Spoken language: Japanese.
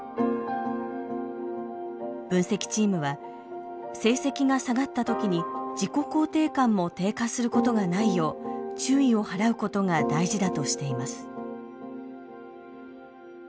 分析チームは成績が下がった時に自己肯定感も低下することがないよう注意を払うことが大事だとしています。